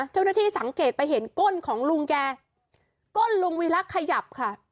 เท่านั้นที่สังเกตไปเห็นก้นของลุงแกก้นลุงวิรักษ์ขยับ